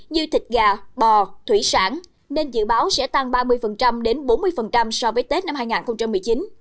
như thịt gà bò thủy sản nên dự báo sẽ tăng ba mươi đến bốn mươi so với tết năm hai nghìn một mươi chín